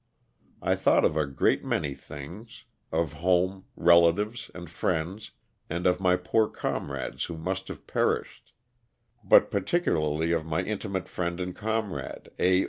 I thought of a great many things, of home, relatives, and friends, and of my poor comrades who must have perished, but par ticularly of my intimate friend and comrade, A.